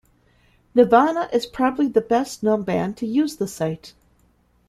Nirvana is probably the best known band to use the site.